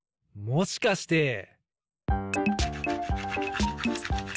もしかして。